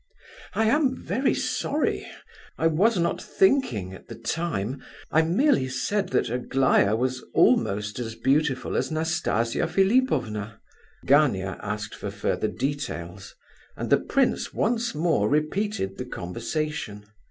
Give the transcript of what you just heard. "I am very sorry; I was not thinking at the time. I merely said that Aglaya was almost as beautiful as Nastasia Philipovna." Gania asked for further details; and the prince once more repeated the conversation.